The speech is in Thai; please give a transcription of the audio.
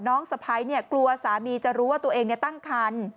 น้องสะพัยกลัวสามีจะรู้ว่าตัวเองตั้งครรภ์